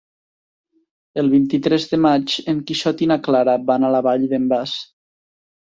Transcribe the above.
El vint-i-tres de maig en Quixot i na Clara van a la Vall d'en Bas.